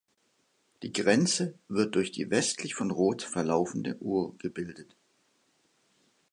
Die Grenze wird durch die westlich von Roth verlaufende Our gebildet.